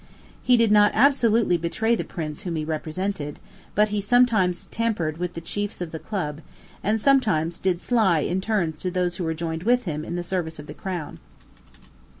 He did not absolutely betray the prince whom he represented: but he sometimes tampered with the chiefs of the Club, and sometimes did sly in turns to those who were joined with him in the service of the Crown.